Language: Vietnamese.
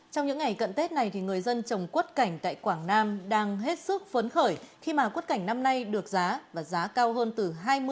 trong những ngày cận tết này thì người dân trồng quất cảnh tại quảng nam đang hết sức phấn khởi khi mà quất cảnh năm nay được giá và giá cao hơn từ hai mươi